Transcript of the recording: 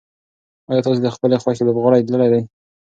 ایا تاسي د خپلې خوښې لوبغاړی لیدلی دی؟